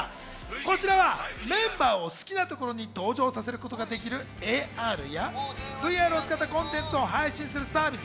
こちらはメンバーを好きなところに登場させることができるＡＲやＶＲを使ったコンテンツを配信するサービス。